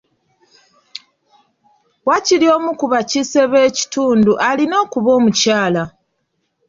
Waakiri omu ku bakiise b'ekitundu alina okuba omukyala.